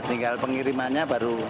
tinggal pengirimannya baru selesai